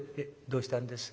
どうしたんです？